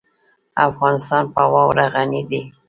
افغانستان په واوره غني دی.